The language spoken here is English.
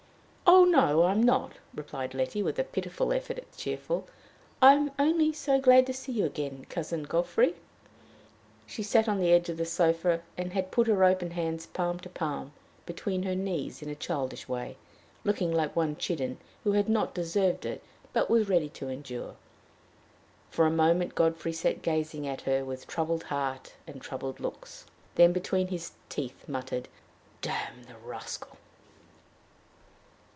"Oh, no, I'm not," replied Letty, with a pitiful effort at the cheerful; "I am only so glad to see you again, Cousin Godfrey." She sat on the edge of the sofa, and had put her open hands, palm to palm, between her knees, in a childish way, looking like one chidden, who did not deserve it, but was ready to endure. For a moment Godfrey sat gazing at her, with troubled heart and troubled looks, then between his teeth muttered, "Damn the rascal!"